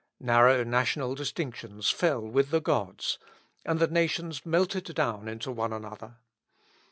Narrow national distinctions fell with the gods, and the nations melted down into one another.